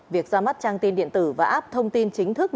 việc ra mắt trang tin điện tử và app thông tin chính thức